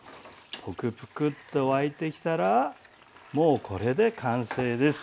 プクプクッと沸いてきたらもうこれで完成です。